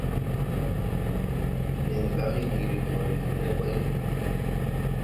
Nen ga Miŋgiri mo ren le gɔ ni.